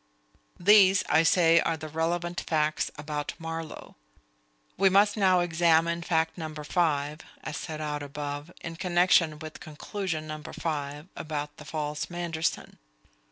These, I say, are the relevant facts about Marlowe. We must now examine fact number five (as set out above) in connection with conclusion number five about the false Manderson.